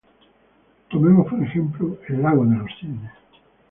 Tomemos, por ejemplo, "El lago de los cisnes".